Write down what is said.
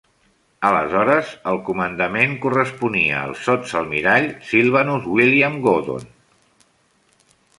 Aleshores el comandament corresponia al sots-almirall Sylvanus William Godon.